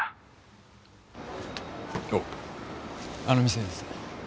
あの店です。